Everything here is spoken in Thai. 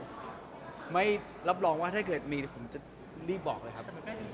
ไม่รับรองว่าถ้าเกิดมีผมจะรีบบอกเลยครับ